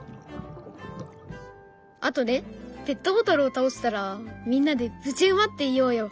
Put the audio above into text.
あとねペットボトルを倒したらみんなで「ぶちうま」って言おうよ！